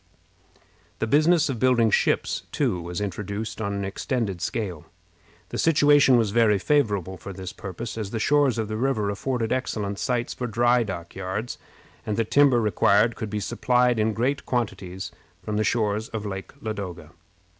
The business of building ships, too, was introduced on an extended scale. The situation was very favorable for this purpose, as the shores of the river afforded excellent sites for dock yards, and the timber required could be supplied in great quantities from the shores of Lake Ladoga.